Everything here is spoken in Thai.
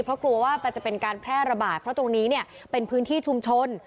เพราะกลัวว่ามันจะเป็นการแพร่ระบาดเพราะตรงนี้เนี่ยเป็นพื้นที่ชุมชน